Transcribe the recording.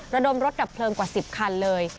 ระดมรถดับเพลิงกว่า๑๐คันเลย